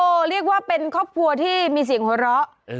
เรียกว่าเป็นครอบครัวที่มีเสียงหัวเราะ